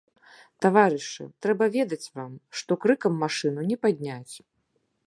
Таварышы, трэба ведаць вам, што крыкам машыну не падняць.